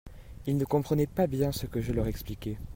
ils ne comprenaient pas bien ce que je leur expliquais.